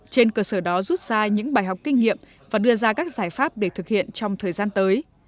trên cơ sở đó rút ra những bài học kinh nghiệm và đưa ra các giải pháp để thực hiện trong thời gian tới